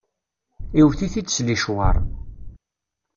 Iwwet-it-id s licwaṛ.